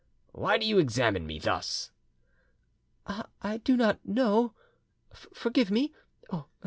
"Why do you examine me thus?" "I do not know—forgive me, oh!